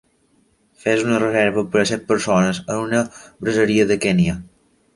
Fes una reserva per a set persones en una braseria de Kenya